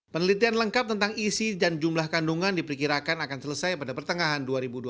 penelitian lengkap tentang isi dan jumlah kandungan diperkirakan akan selesai pada pertengahan dua ribu dua puluh